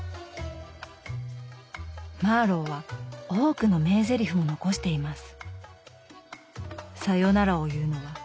マーロウは多くの名ぜりふも残しています。